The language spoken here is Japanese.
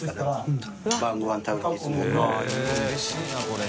うれしいなこれ。